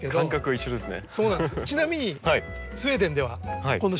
一緒ですね。